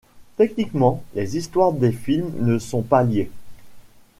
Techniquement, les histoires des films ne sont pas liées.